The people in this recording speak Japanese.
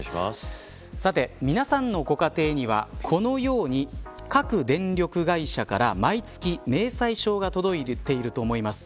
さて、皆さんのご家庭にはこのように、各電力会社から毎月、明細書が届いていると思います。